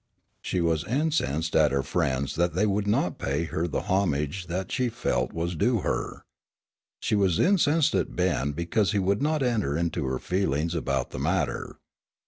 She was incensed at her friends that they would not pay her the homage that she felt was due her. She was incensed at Ben because he would not enter into her feelings about the matter.